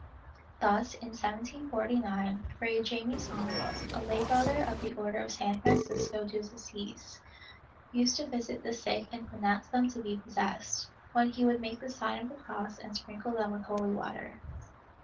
Thus, in 1749, Fray Jaime Sans, a lay brother of the Order of San Francisco de Assis, used to visit the sick and pronounce them to be possessed, when he would make the sign of the cross and sprinkle them with holy water.